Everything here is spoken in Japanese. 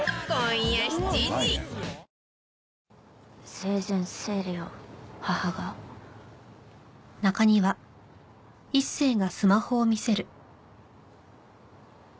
生前整理を母が？